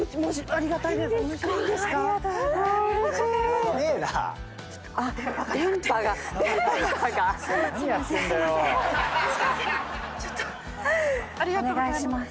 ありがとうございます。